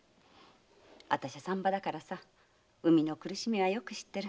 私は産婆だから産みの苦しみはよく知ってる。